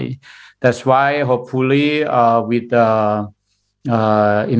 itulah sebabnya semoga dengan